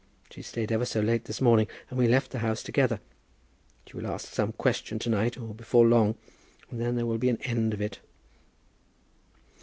She stayed ever so late this morning, and we left the house together. She will ask some direct question to night, or before long, and then there will be an end of it."